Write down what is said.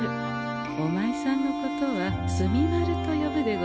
おまいさんのことは墨丸と呼ぶでござんすよ。